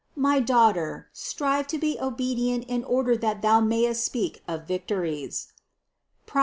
My daughter, strive to be obedient in order that thou mayest speak of victories (Prov.